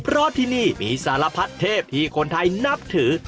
เพราะที่นี่มีสารพัดเทพที่คนไทยนับถือ